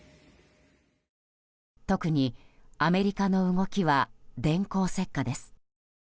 特にアメリカの動きは電光石火です。